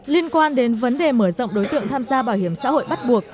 liên quan đến vấn đề mở rộng đối tượng tham gia bảo hiểm xã hội bắt buộc